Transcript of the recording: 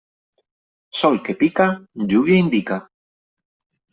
Sol que pica, lluvia indica.